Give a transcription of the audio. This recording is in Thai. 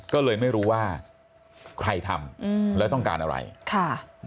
ก็เลยไม่รู้ว่าใครทำอืมแล้วต้องการอะไรค่ะ